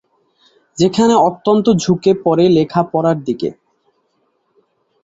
সেখানেই অনন্ত ঝুঁকে পরে লেখা পড়ার দিকে।